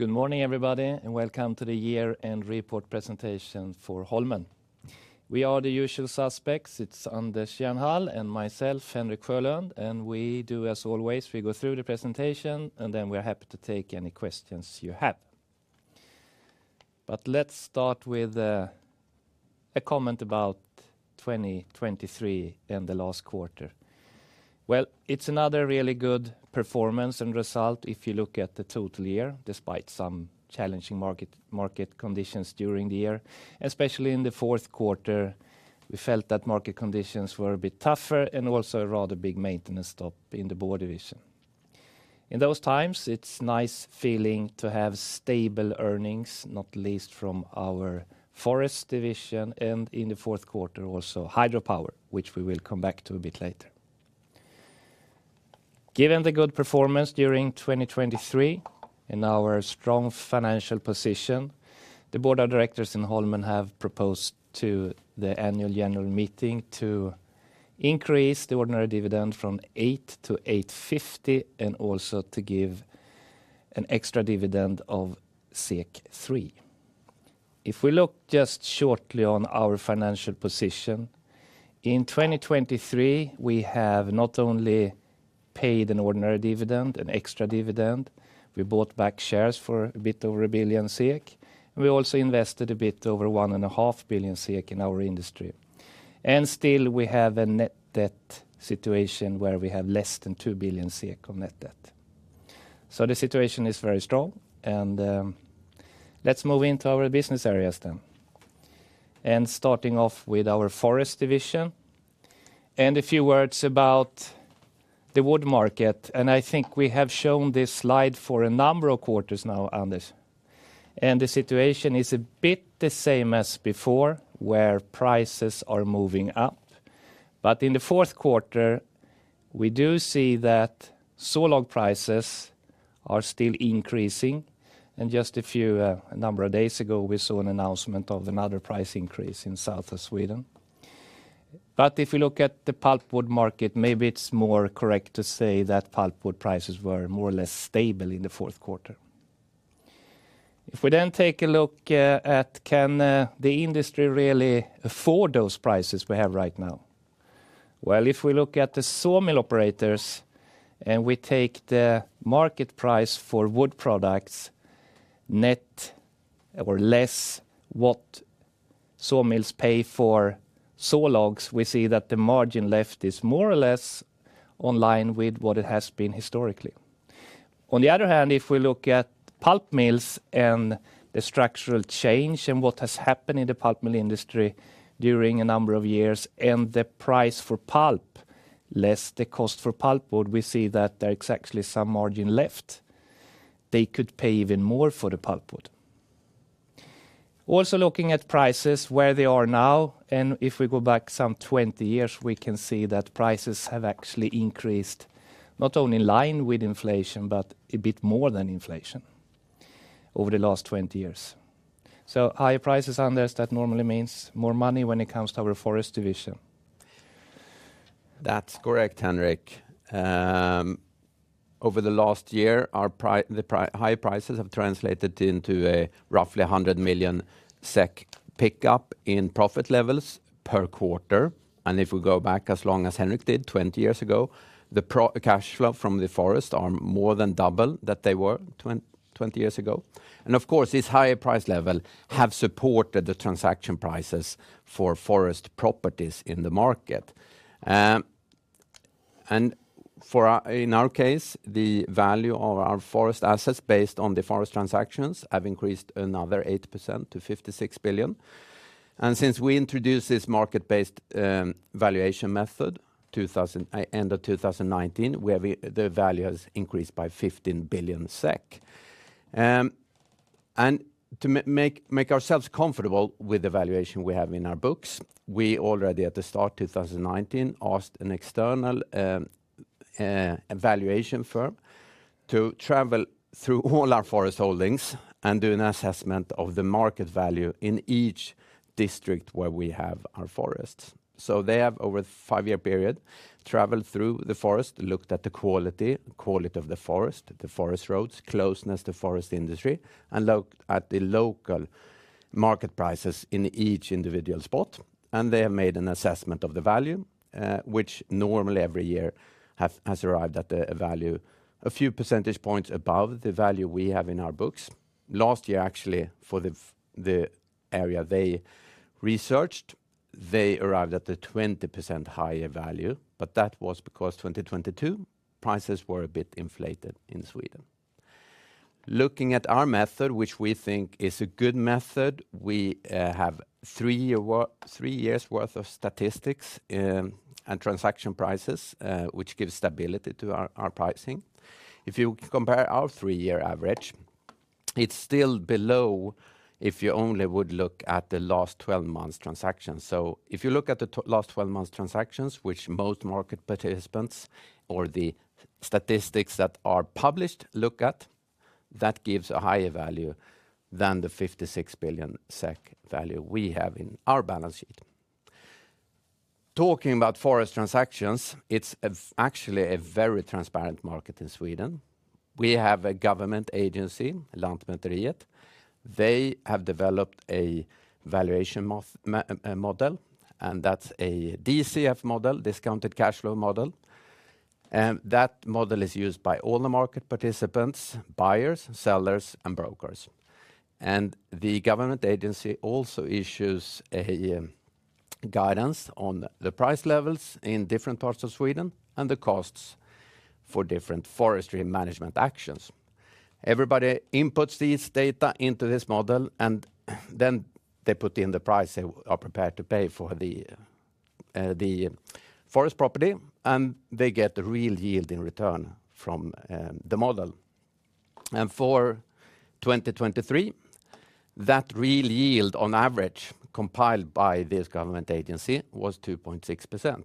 Good morning, everybody, and welcome to the year-end report presentation for Holmen. We are the usual suspects. It's Anders Jernhall and myself, Henrik Sjölund, and we do as always, we go through the presentation, and then we are happy to take any questions you have. But let's start with a comment about 2023 and the last quarter. Well, it's another really good performance and result if you look at the total year, despite some challenging market, market conditions during the year. Especially in the fourth quarter, we felt that market conditions were a bit tougher and also a rather big maintenance stop in the board division. In those times, it's nice feeling to have stable earnings, not least from our forest division, and in the fourth quarter, also, hydropower, which we will come back to a bit later. Given the good performance during 2023 and our strong financial position, the board of directors in Holmen have proposed to the annual general meeting to increase the ordinary dividend from 8-8.50, and also to give an extra dividend of 3. If we look just shortly on our financial position, in 2023, we have not only paid an ordinary dividend, an extra dividend, we bought back shares for a bit over 1 billion SEK, and we also invested a bit over 1.5 billion SEK in our industry. And still, we have a net debt situation where we have less than 2 billion SEK on net debt. So the situation is very strong, and, let's move into our business areas then. Starting off with our forest division, and a few words about the wood market, and I think we have shown this slide for a number of quarters now, Anders, and the situation is a bit the same as before, where prices are moving up. But in the fourth quarter, we do see that sawlog prices are still increasing, and just a few, a number of days ago, we saw an announcement of another price increase in south of Sweden. But if you look at the pulpwood market, maybe it's more correct to say that pulpwood prices were more or less stable in the fourth quarter. If we then take a look, at can, the industry really afford those prices we have right now? Well, if we look at the sawmill operators and we take the market price for wood products, net or less what sawmills pay for sawlogs, we see that the margin left is more or less in line with what it has been historically. On the other hand, if we look at pulp mills and the structural change and what has happened in the pulp mill industry during a number of years, and the price for pulp, less the cost for pulpwood, we see that there is actually some margin left. They could pay even more for the pulpwood. Also, looking at prices, where they are now, and if we go back some 20 years, we can see that prices have actually increased, not only in line with inflation, but a bit more than inflation over the last 20 years. So higher prices, Anders, that normally means more money when it comes to our forest division. That's correct, Henrik. Over the last year, high prices have translated into roughly 100 million SEK pickup in profit levels per quarter. And if we go back as long as Henrik did, 20 years ago, the cash flow from the forest are more than double that they were 20 years ago. And of course, this higher price level have supported the transaction prices for forest properties in the market. And in our case, the value of our forest assets based on the forest transactions have increased another 8% to 56 billion. And since we introduced this market-based valuation method, end of 2019, the value has increased by 15 billion SEK. And to make ourselves comfortable with the valuation we have in our books, we already, at the start of 2019, asked an external valuation firm to travel through all our forest holdings and do an assessment of the market value in each district where we have our forests. So they have, over a five-year period, traveled through the forest, looked at the quality of the forest, the forest roads, closeness to forest industry, and looked at the local market prices in each individual spot. And they have made an assessment of the value, which normally every year has arrived at a value a few percentage points above the value we have in our books. Last year, actually, for the area they researched, they arrived at a 20% higher value, but that was because 2022, prices were a bit inflated in Sweden. Looking at our method, which we think is a good method, we have three-year, three years' worth of statistics, and transaction prices, which gives stability to our pricing. If you compare our three-year average, it's still below if you only would look at the last 12 months transactions. So if you look at the last 12 months transactions, which most market participants or the statistics that are published look at, that gives a higher value than the 56 billion SEK value we have in our balance sheet. Talking about forest transactions, it's actually a very transparent market in Sweden. We have a government agency, Lantmäteriet. They have developed a valuation model, and that's a DCF model, discounted cash flow model, and that model is used by all the market participants, buyers, sellers, and brokers. The government agency also issues a guidance on the price levels in different parts of Sweden and the costs for different forestry management actions. Everybody inputs these data into this model, and then they put in the price they are prepared to pay for the forest property, and they get the real yield in return from the model. For 2023, that real yield, on average, compiled by this government agency, was 2.6%.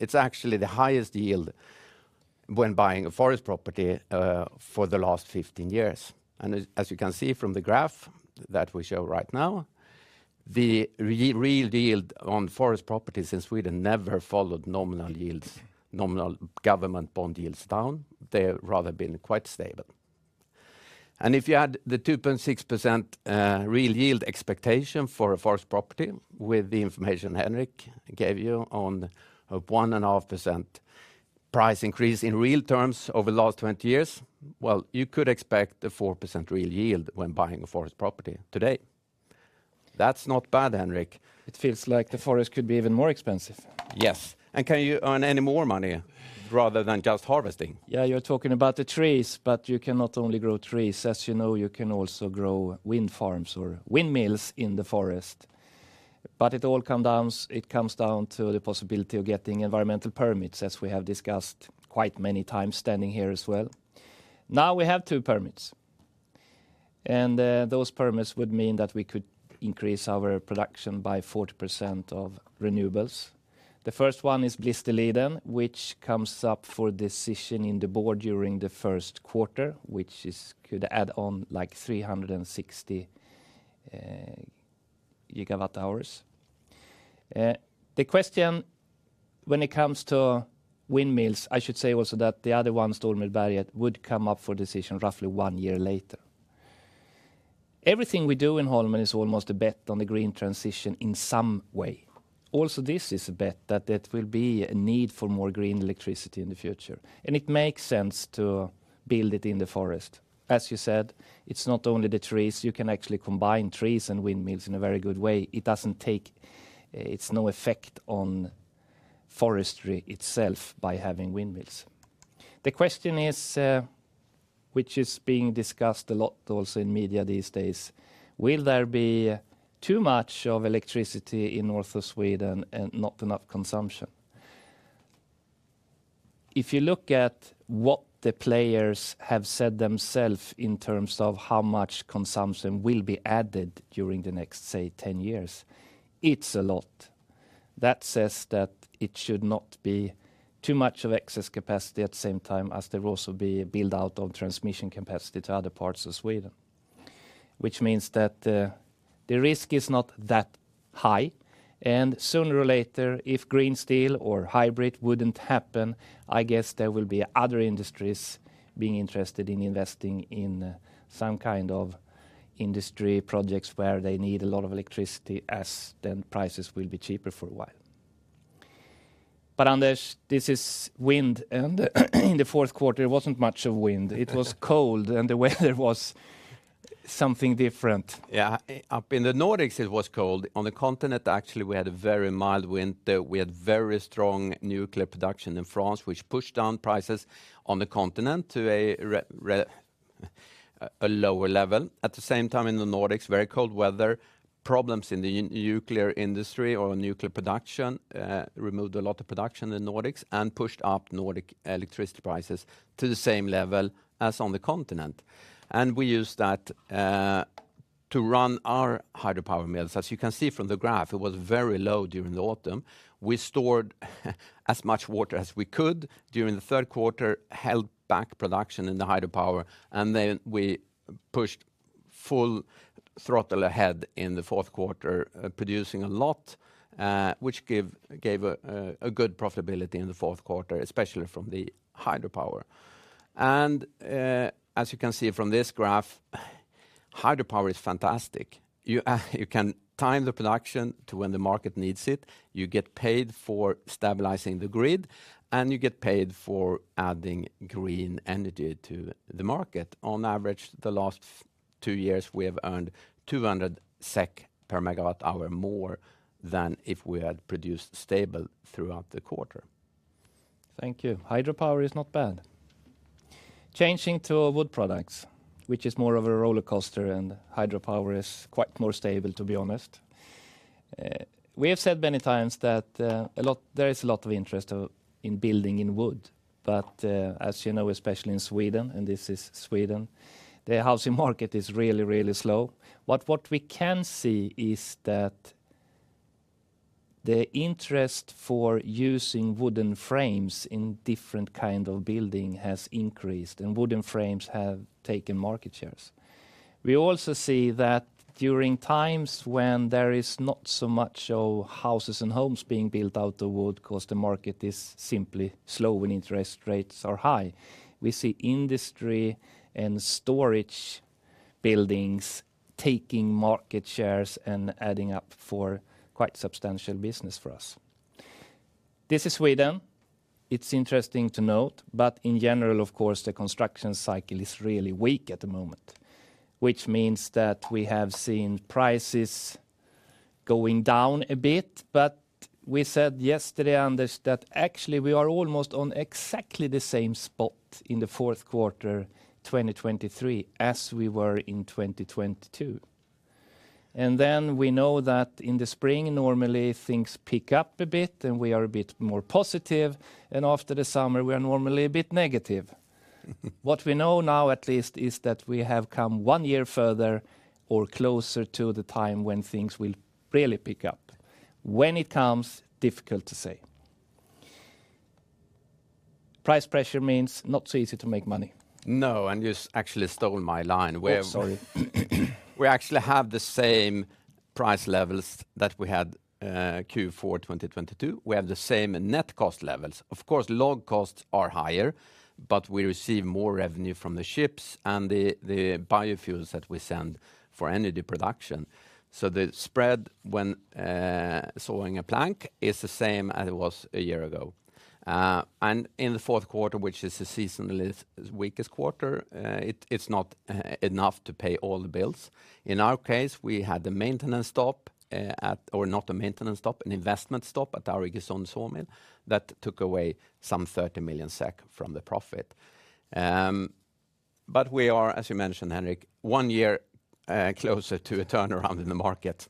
It's actually the highest yield when buying a forest property for the last 15 years. As you can see from the graph that we show right now, the real yield on forest properties in Sweden never followed nominal yields, nominal government bond yields down. They have rather been quite stable. And if you add the 2.6% real yield expectation for a forest property with the information Henrik gave you on a 1.5% price increase in real terms over the last 20 years, well, you could expect a 4% real yield when buying a forest property today. That's not bad, Henrik. It feels like the forest could be even more expensive. Yes, and can you earn any more money rather than just harvesting? Yeah, you're talking about the trees, but you cannot only grow trees. As you know, you can also grow wind farms or windmills in the forest. But it all comes down to the possibility of getting environmental permits, as we have discussed quite many times, standing here as well. Now, we have two permits, and those permits would mean that we could increase our production by 40% of renewables. The first one is Blisterliden, which comes up for decision in the board during the first quarter, which could add on, like, 360 GWh. The question when it comes to windmills, I should say also that the other one, Stormyrberget, would come up for decision roughly one year later. Everything we do in Holmen is almost a bet on the green transition in some way. Also, this is a bet that there will be a need for more green electricity in the future, and it makes sense to build it in the forest. As you said, it's not only the trees. You can actually combine trees and windmills in a very good way. It doesn't take... It's no effect on forestry itself by having windmills. The question is, which is being discussed a lot also in media these days, will there be too much of electricity in north of Sweden and not enough consumption? If you look at what the players have said themselves in terms of how much consumption will be added during the next, say, 10 years, it's a lot. That says that it should not be too much of excess capacity at the same time as there will also be a build-out of transmission capacity to other parts of Sweden, which means that the risk is not that high, and sooner or later, if Green Steel or HYBRIT wouldn't happen, I guess there will be other industries being interested in investing in some kind of industry projects where they need a lot of electricity, as then prices will be cheaper for a while. But, Anders, this is wind, and in the fourth quarter, it wasn't much of wind. It was cold, and the weather was something different. Yeah. Up in the Nordics, it was cold. On the continent, actually, we had a very mild winter. We had very strong nuclear production in France, which pushed down prices on the continent to a lower level. At the same time, in the Nordics, very cold weather, problems in the nuclear industry or nuclear production removed a lot of production in Nordics and pushed up Nordic electricity prices to the same level as on the continent, and we used that to run our hydropower mills. As you can see from the graph, it was very low during the autumn. We stored as much water as we could during the third quarter, held back production in the hydropower, and then we pushed full throttle ahead in the fourth quarter, producing a lot, which gave a good profitability in the fourth quarter, especially from the hydropower. And, as you can see from this graph, hydropower is fantastic. You can time the production to when the market needs it, you get paid for stabilizing the grid, and you get paid for adding green energy to the market. On average, the last two years, we have earned 200 SEK per MWh, more than if we had produced stable throughout the quarter. Thank you. Hydropower is not bad. Changing to wood products, which is more of a rollercoaster, and hydropower is quite more stable, to be honest. We have said many times that there is a lot of interest in building in wood, but as you know, especially in Sweden, and this is Sweden, the housing market is really, really slow. But what we can see is that the interest for using wooden frames in different kind of building has increased, and wooden frames have taken market shares. We also see that during times when there is not so much of houses and homes being built out of wood because the market is simply slow when interest rates are high, we see industry and storage buildings taking market shares and adding up for quite substantial business for us. This is Sweden. It's interesting to note, but in general, of course, the construction cycle is really weak at the moment, which means that we have seen prices going down a bit, but we said yesterday, Anders, that actually, we are almost on exactly the same spot in the fourth quarter, 2023, as we were in 2022. And then we know that in the spring, normally things pick up a bit, and we are a bit more positive, and after the summer, we are normally a bit negative. What we know now, at least, is that we have come one year further or closer to the time when things will really pick up. When it comes, difficult to say. Price pressure means not so easy to make money. No, and you actually stolen my line where- Oh, sorry. We actually have the same price levels that we had Q4 2022. We have the same net cost levels. Of course, log costs are higher, but we receive more revenue from the ships and the biofuels that we send for energy production. So the spread when sawing a plank is the same as it was a year ago. And in the fourth quarter, which is the seasonally weakest quarter, it's not enough to pay all the bills. In our case, we had a maintenance stop, or not a maintenance stop, an investment stop at our Iggesund Sawmill that took away some 30 million SEK from the profit. But we are, as you mentioned, Henrik, one year closer to a turnaround in the market.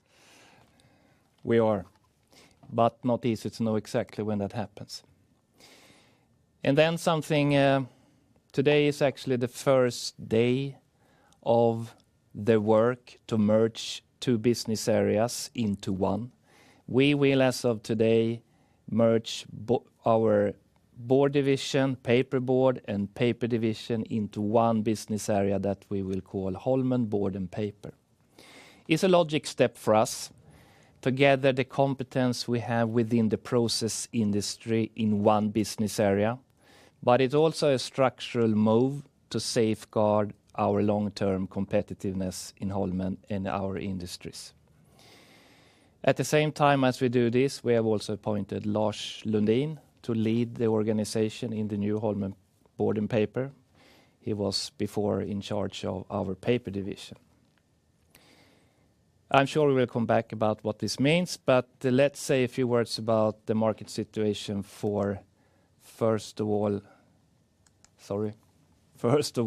We are, but not easy to know exactly when that happens. And then something, today is actually the first day of the work to merge two business areas into one. We will, as of today, merge our board division, paperboard, and paper division into one business area that we will call Holmen Board and Paper. It's a logical step for us to gather the competence we have within the process industry in one business area, but it's also a structural move to safeguard our long-term competitiveness in Holmen and our industries. At the same time as we do this, we have also appointed Lars Lundin to lead the organization in the new Holmen Board and Paper. He was before in charge of our paper division. I'm sure we will come back about what this means, but let's say a few words about the market situation for, first of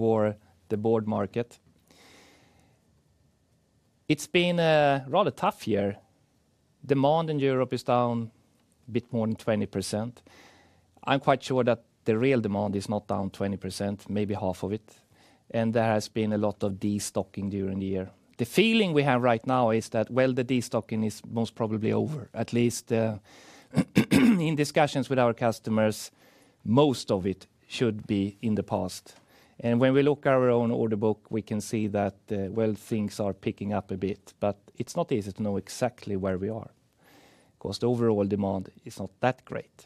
all, the board market. It's been a rather tough year. Demand in Europe is down a bit more than 20%. I'm quite sure that the real demand is not down 20%, maybe half of it, and there has been a lot of destocking during the year. The feeling we have right now is that, well, the destocking is most probably over, at least, in discussions with our customers, most of it should be in the past. And when we look our own order book, we can see that, well, things are picking up a bit, but it's not easy to know exactly where we are, because the overall demand is not that great.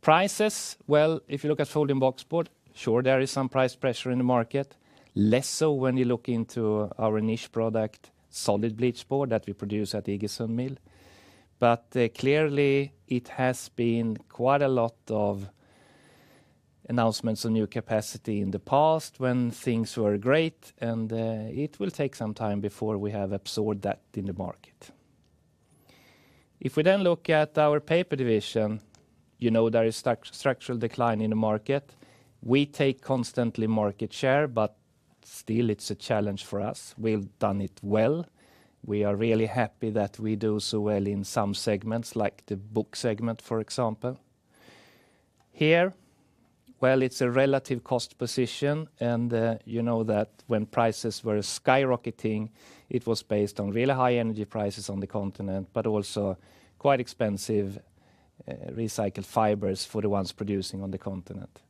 Prices, well, if you look at Folding Boxboard, sure, there is some price pressure in the market. Less so when you look into our niche product, Solid Bleached Board, that we produce at the Iggesund Sawmill. But clearly, it has been quite a lot of announcements on new capacity in the past when things were great, and it will take some time before we have absorbed that in the market. If we then look at our paper division, you know, there is structural decline in the market. We take constantly market share, but still it's a challenge for us. We've done it well. We are really happy that we do so well in some segments, like the book segment, for example. Here, well, it's a relative cost position, and, you know that when prices were skyrocketing, it was based on really high energy prices on the continent, but also quite expensive, recycled fibers for the ones producing on the continent.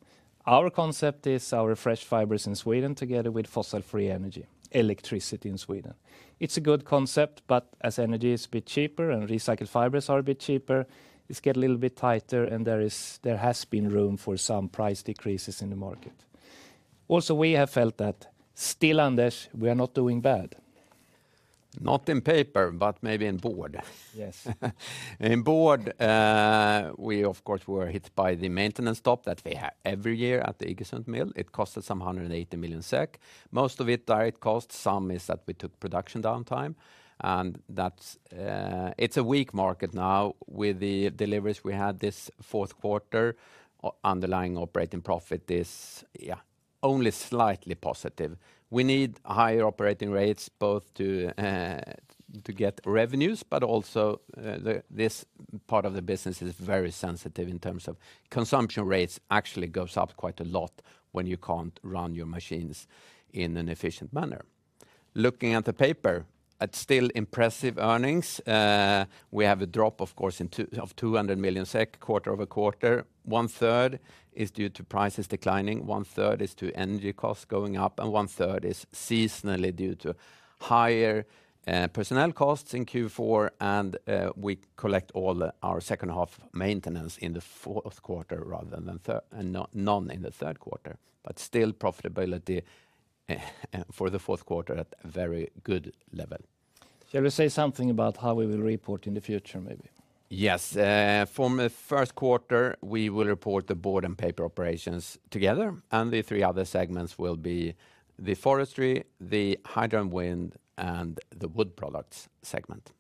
Our concept is our fresh fibers in Sweden, together with fossil-free energy, electricity in Sweden. It's a good concept, but as energy is a bit cheaper and recycled fibers are a bit cheaper, it's get a little bit tighter, and there has been room for some price decreases in the market. Also, we have felt that still, Anders, we are not doing bad. Not in paper, but maybe in board. Yes. In board, we, of course, were hit by the maintenance stop that we have every year at the Iggesund Sawmill. It cost us some 180 million SEK. Most of it, direct cost, some is that we took production downtime, and that's... It's a weak market now. With the deliveries we had this fourth quarter, underlying operating profit is, yeah, only slightly positive. We need higher operating rates, both to get revenues, but also, the, this part of the business is very sensitive in terms of consumption rates actually goes up quite a lot when you can't run your machines in an efficient manner.... Looking at the paper, at still impressive earnings, we have a drop, of course, of 200 million SEK, quarter over quarter. One-third is due to prices declining, one-third is to energy costs going up, and one-third is seasonally due to higher personnel costs in Q4, and we collect all our second half maintenance in the fourth quarter rather than third, and none in the third quarter. But still, profitability for the fourth quarter at a very good level. Shall we say something about how we will report in the future, maybe? Yes. From the first quarter, we will report the board and paper operations together, and the three other segments will be the forestry, the hydro and wind, and the wood products segment.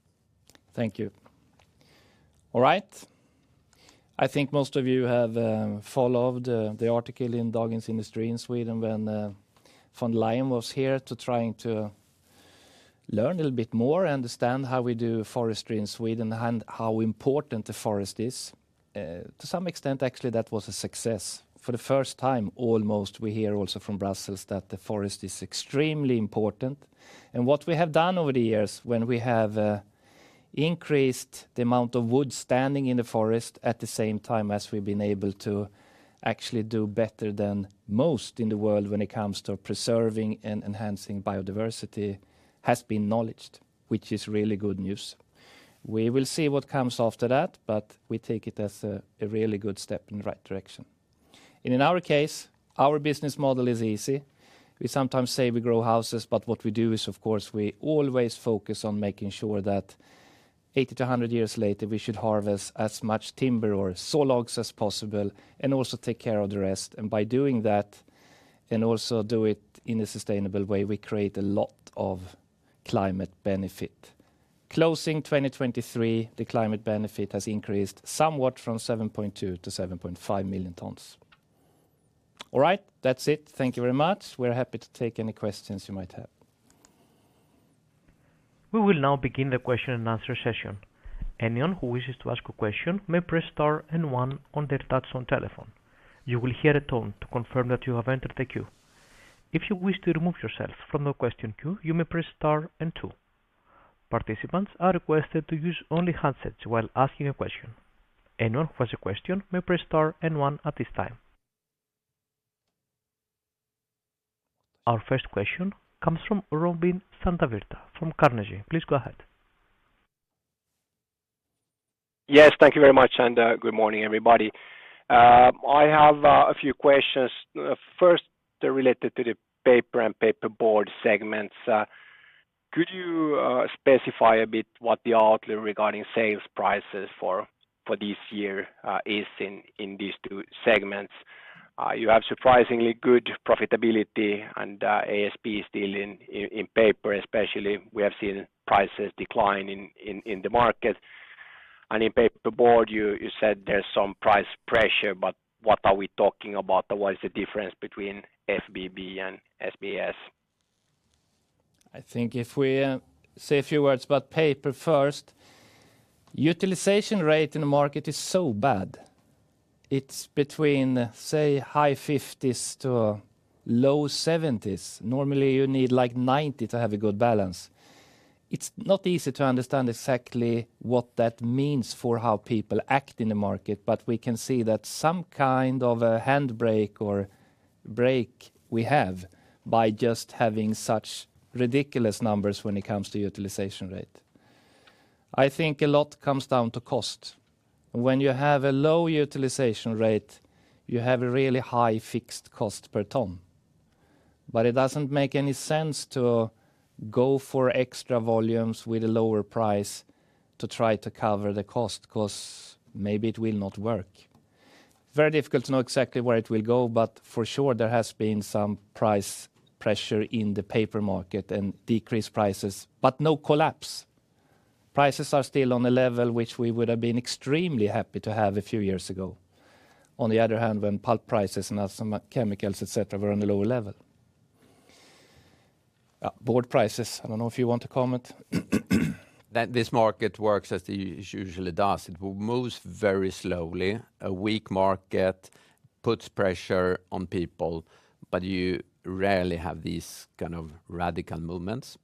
Thank you. All right. I think most of you have followed the article in Dagens Industri in Sweden, when von Leyen was here to trying to learn a little bit more, understand how we do forestry in Sweden and how important the forest is. To some extent, actually, that was a success. For the first time, almost, we hear also from Brussels that the forest is extremely important. And what we have done over the years, when we have increased the amount of wood standing in the forest, at the same time as we've been able to actually do better than most in the world when it comes to preserving and enhancing biodiversity, has been acknowledged, which is really good news. We will see what comes after that, but we take it as a really good step in the right direction. And in our case, our business model is easy. We sometimes say we grow houses, but what we do is, of course, we always focus on making sure that 80-100 years later, we should harvest as much timber or sawlogs as possible, and also take care of the rest. And by doing that, and also do it in a sustainable way, we create a lot of climate benefit. Closing 2023, the climate benefit has increased somewhat from 7.2 million-7.5 million tons. All right, that's it. Thank you very much. We're happy to take any questions you might have. We will now begin the question and answer session. Anyone who wishes to ask a question may press star and one on their touch tone telephone. You will hear a tone to confirm that you have entered the queue. If you wish to remove yourself from the question queue, you may press star and two. Participants are requested to use only handsets while asking a question. Anyone who has a question may press star and one at this time. Our first question comes from Robin Santavirta, from Carnegie. Please go ahead. Yes, thank you very much, and good morning, everybody. I have a few questions. First, they're related to the paper and paperboard segments. Could you specify a bit what the outlook regarding sales prices for this year is in these two segments? You have surprisingly good profitability and ASP still in paper, especially; we have seen prices decline in the market. And in paperboard, you said there's some price pressure, but what are we talking about? What is the difference between FBB and SBS? I think if we say a few words about paper first, utilization rate in the market is so bad. It's between, say, high 50s-low 70s. Normally, you need, like, 90 to have a good balance. It's not easy to understand exactly what that means for how people act in the market, but we can see that some kind of a handbrake or brake we have by just having such ridiculous numbers when it comes to utilization rate. I think a lot comes down to cost. When you have a low utilization rate, you have a really high fixed cost per ton, but it doesn't make any sense to go for extra volumes with a lower price to try to cover the cost, 'cause maybe it will not work. Very difficult to know exactly where it will go, but for sure, there has been some price pressure in the paper market and decreased prices, but no collapse. Prices are still on a level which we would have been extremely happy to have a few years ago. On the other hand, when pulp prices and other chemicals, et cetera, were on a lower level. Board prices, I don't know if you want to comment. That this market works as it usually does. It moves very slowly. A weak market puts pressure on people, but you rarely have these kind of radical movements.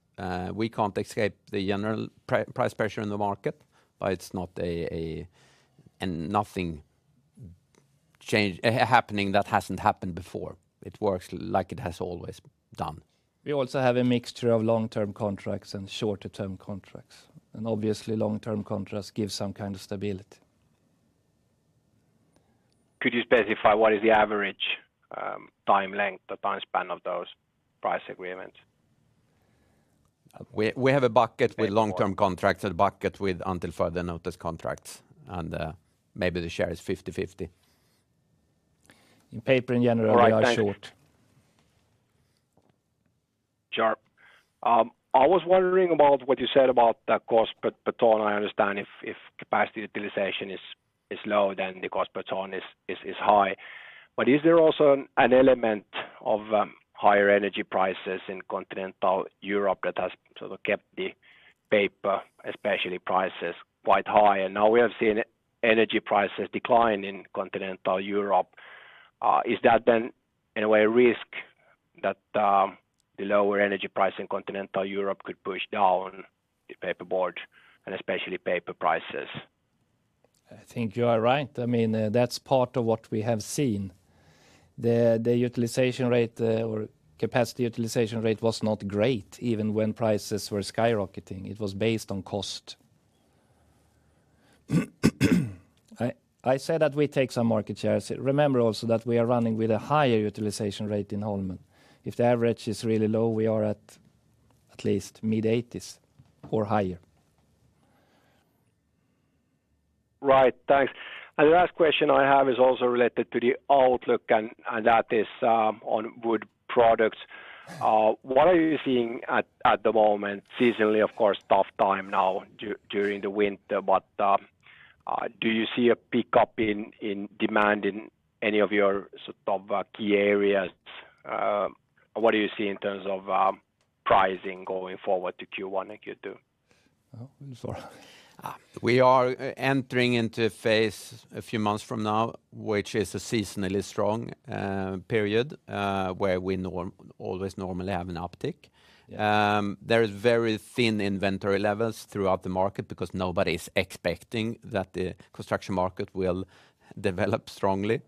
We can't escape the general price pressure in the market, but it's not, and nothing changing, happening that hasn't happened before. It works like it has always done. We also have a mixture of long-term contracts and shorter-term contracts, and obviously, long-term contracts give some kind of stability. Could you specify what is the average time length or time span of those price agreements? We have a bucket with long-term contracts and a bucket with until further notice contracts, and maybe the share is 50/50. In paper, in general, we are short. Sure. I was wondering about what you said about the cost per ton. I understand if capacity utilization is low, then the cost per ton is high. But is there also an element of higher energy prices in continental Europe that has sort of kept the paper, especially prices, quite high? And now we have seen energy prices decline in continental Europe. Is that then, in a way, a risk that the lower energy price in continental Europe could push down the paperboard and especially paper prices? I think you are right. I mean, that's part of what we have seen. The utilization rate, or capacity utilization rate was not great, even when prices were skyrocketing. It was based on cost. I said that we take some market shares. Remember also that we are running with a higher utilization rate in Holmen. If the average is really low, we are at least mid-eighties or higher. Right. Thanks. And the last question I have is also related to the outlook, and that is, on wood products. Yeah. What are you seeing at the moment? Seasonally, of course, tough time now during the winter, but do you see a pickup in demand in any of your sort of key areas? What do you see in terms of pricing going forward to Q1 and Q2? Well, Sören? Ah, we are entering into a phase a few months from now, which is a seasonally strong period, where we always normally have an uptick. Yeah. There is very thin inventory levels throughout the market because nobody's expecting that the construction market will develop strongly,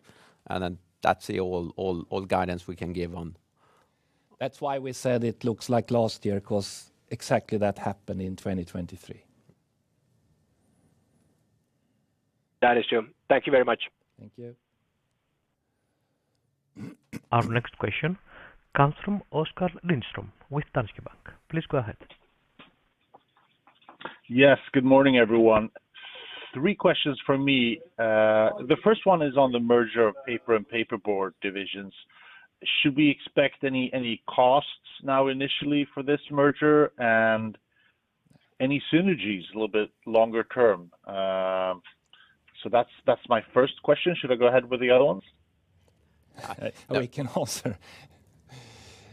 and then that's all the guidance we can give on. That's why we said it looks like last year, because exactly that happened in 2023. That is true. Thank you very much. Thank you. Our next question comes from Oskar Lindström with Danske Bank. Please go ahead. Yes, good morning, everyone. Three questions from me. The first one is on the merger of paper and paperboard divisions. Should we expect any, any costs now initially for this merger, and any synergies a little bit longer term? So that's, that's my first question. Should I go ahead with the other ones? We can also,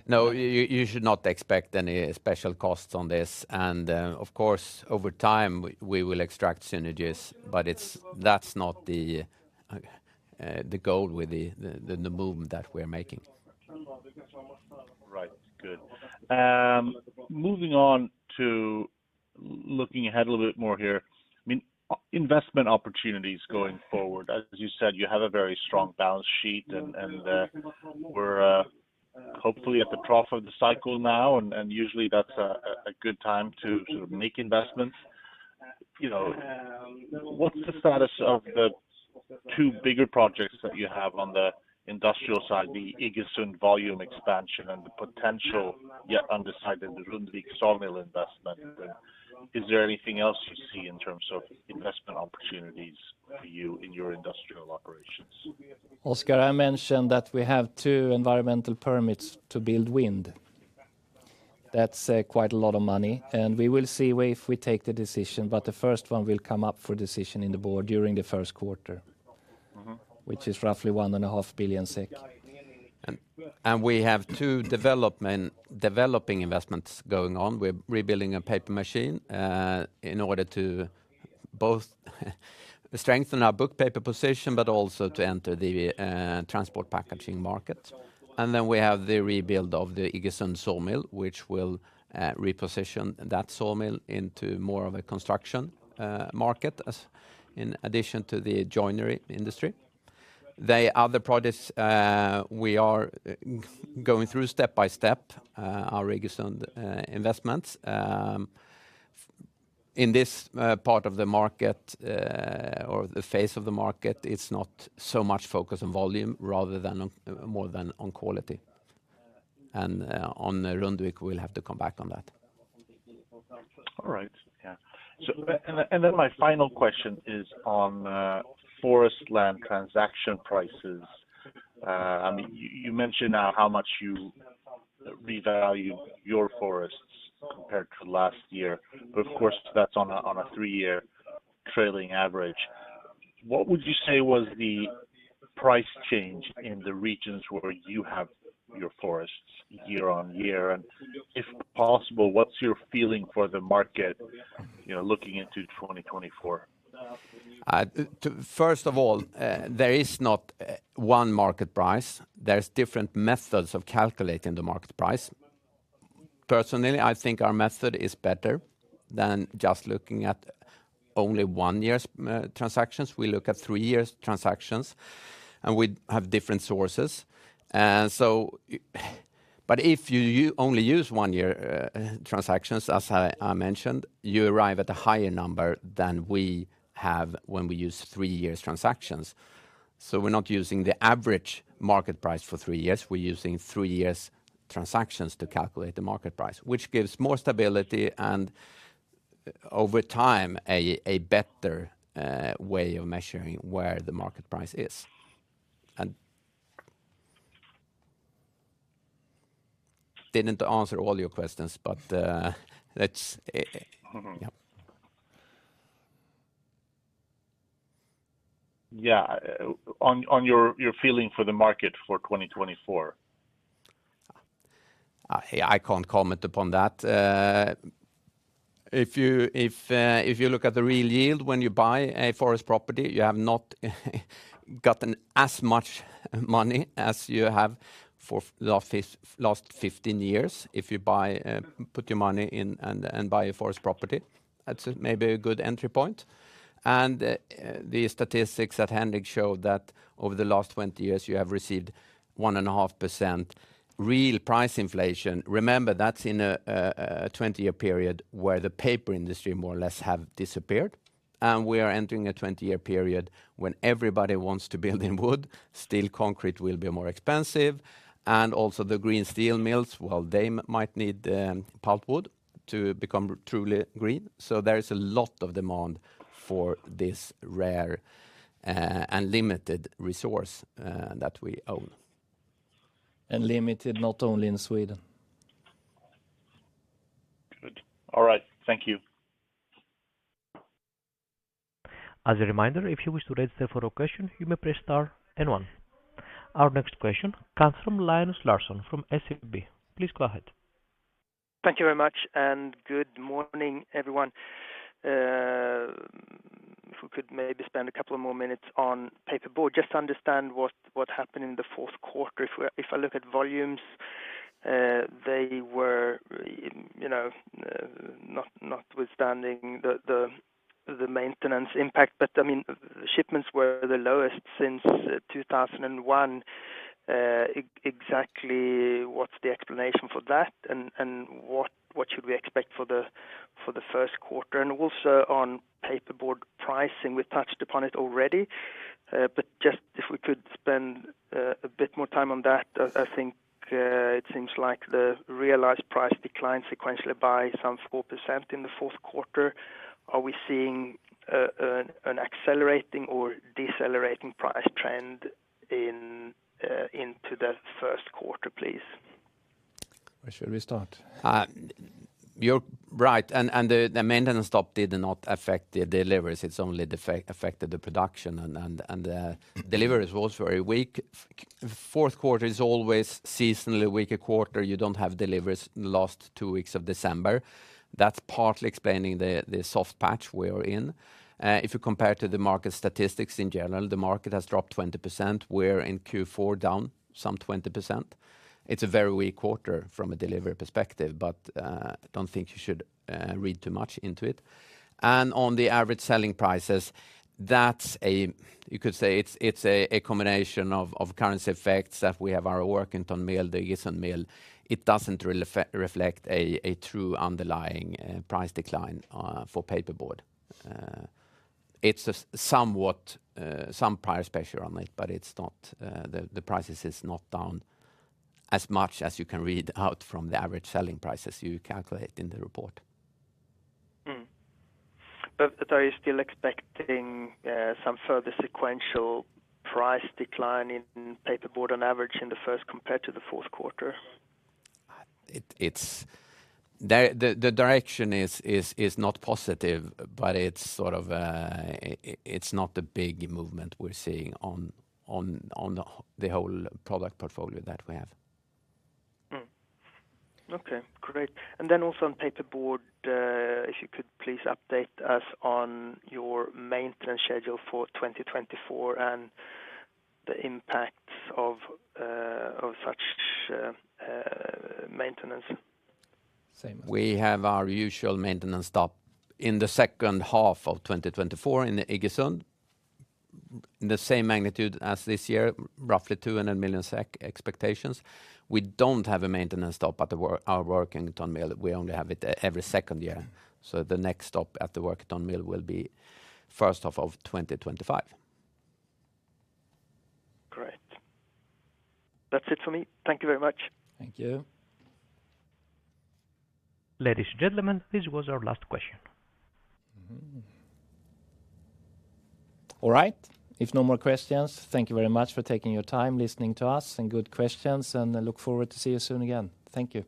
No, you should not expect any special costs on this, and, of course, over time, we will extract synergies, but it's, that's not the goal with the movement that we're making. Right. Good. Moving on to looking ahead a little bit more here, I mean, investment opportunities going forward. As you said, you have a very strong balance sheet, and we're hopefully at the trough of the cycle now, and usually that's a good time to sort of make investments. You know, what's the status of the two bigger projects that you have on the industrial side, the Iggesund volume expansion and the potential, yet undecided, the Rundvik Sawmill investment? And is there anything else you see in terms of investment opportunities for you in your industrial operations? Oscar, I mentioned that we have 2 environmental permits to build wind. That's quite a lot of money, and we will see if we take the decision, but the first one will come up for decision in the board during the first quarter. Mm-hmm. Which is roughly SEK 1.5 billion. We have two developing investments going on. We're rebuilding a paper machine in order to both strengthen our book paper position, but also to enter the transport packaging market. And then we have the rebuild of the Iggesund sawmill, which will reposition that sawmill into more of a construction market, as in addition to the joinery industry. The other projects we are going through step by step our Iggesund investments. In this part of the market or the phase of the market, it's not so much focused on volume rather than on, more than on quality. On Rundvik, we'll have to come back on that. All right. Yeah. So, and then my final question is on forest land transaction prices. I mean, you mentioned how much you revalue your forests compared to last year, but of course, that's on a three-year trailing average. What would you say was the price change in the regions where you have your forests year on year? And if possible, what's your feeling for the market, you know, looking into 2024? First of all, there is not one market price. There's different methods of calculating the market price. Personally, I think our method is better than just looking at only one year's transactions. We look at three years' transactions, and we have different sources. So... But if you only use one year transactions, as I mentioned, you arrive at a higher number than we have when we use three years' transactions. So we're not using the average market price for three years, we're using three years' transactions to calculate the market price, which gives more stability, and over time, a better way of measuring where the market price is. And didn't answer all your questions, but that's- Mm-hmm. Yeah. Yeah, on your feeling for the market for 2024?... I can't comment upon that. If you look at the real yield when you buy a forest property, you have not gotten as much money as you have for the last 15 years. If you buy, put your money in and buy a forest property, that's maybe a good entry point. The statistics that Henrik showed that over the last 20 years, you have received 1.5% real price inflation. Remember, that's in a 20-year period where the paper industry more or less have disappeared, and we are entering a 20-year period when everybody wants to build in wood. Steel, concrete will be more expensive, and also the green steel mills, well, they might need pulpwood to become truly green. So there is a lot of demand for this rare and limited resource that we own. And limited, not only in Sweden. Good. All right. Thank you. As a reminder, if you wish to register for a question, you may press star and one. Our next question comes from Linus Larsson of SEB. Please go ahead. Thank you very much, and good morning, everyone. If we could maybe spend a couple of more minutes on paperboard, just to understand what happened in the fourth quarter. If I look at volumes, they were, you know, not notwithstanding the maintenance impact, but, I mean, shipments were the lowest since 2001. Exactly what's the explanation for that, and what should we expect for the first quarter? And also on paperboard pricing, we've touched upon it already, but just if we could spend a bit more time on that, I think it seems like the realized price declined sequentially by some 4% in the fourth quarter. Are we seeing an accelerating or decelerating price trend into the first quarter, please? Where should we start? You're right, and the maintenance stop did not affect the deliveries. It's only affected the production and deliveries was very weak. Fourth quarter is always seasonally weaker quarter. You don't have deliveries the last two weeks of December. That's partly explaining the soft patch we're in. If you compare to the market statistics in general, the market has dropped 20%. We're in Q4, down some 20%. It's a very weak quarter from a delivery perspective, but I don't think you should read too much into it. And on the average selling prices, that's a you could say it's a combination of currency effects, that we have our Workington Mill, the Iggesund Sawmill. It doesn't really reflect a true underlying price decline for paperboard. It's just somewhat some price pressure on it, but the price is not down as much as you can read out from the average selling prices you calculate in the report. Hmm. But are you still expecting some further sequential price decline in paperboard on average in the first compared to the fourth quarter? The direction is not positive, but it's sort of not a big movement we're seeing on the whole product portfolio that we have. Okay, great. And then also on paperboard, if you could please update us on your maintenance schedule for 2024 and the impacts of such maintenance. Same. We have our usual maintenance stop in the second half of 2024 in the Iggesund, the same magnitude as this year, roughly 200 million SEK expectations. We don't have a maintenance stop at our Workington Mill. We only have it every second year, so the next stop at the Workington Mill will be first half of 2025. Great. That's it for me. Thank you very much. Thank you. Ladies and gentlemen, this was our last question. Mm-hmm. All right. If no more questions, thank you very much for taking your time listening to us, and good questions, and I look forward to see you soon again. Thank you.